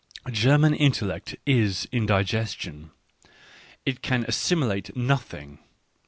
... German intellect is indigestion ; it can assimilate nothing.